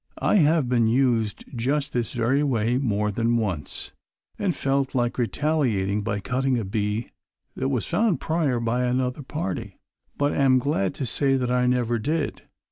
I have been used just this very way more than once, and felt like retaliating by cutting a bee that was found prior by another party. But am glad to say that I never did.